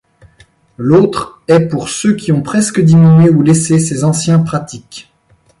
L'autre est pour ceux qui ont presque diminué ou laissé ces anciens pratiques.